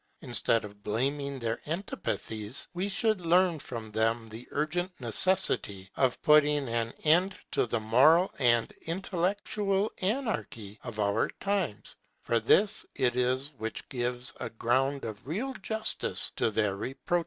Instead of blaming their antipathies, we should learn from them the urgent necessity of putting an end to the moral and intellectual anarchy of our times; for this it is which gives a ground of real justice to their reproaches.